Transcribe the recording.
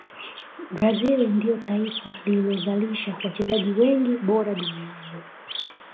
brazil ndio taifa lililozalisha wachezaji wengi bora duniani